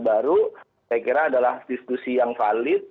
saya kira adalah diskusi yang valid